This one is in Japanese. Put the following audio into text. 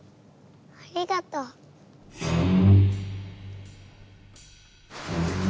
ありがとう。